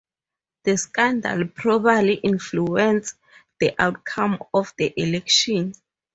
The scandal probably influenced the outcome of the election.